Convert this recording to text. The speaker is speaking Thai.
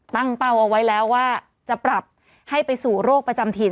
เป้าเอาไว้แล้วว่าจะปรับให้ไปสู่โรคประจำถิ่น